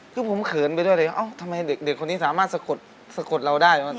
คือผมเขินไปด้วยเลยว่าเอ้าทำไมเด็กคนนี้สามารถสะกดเราได้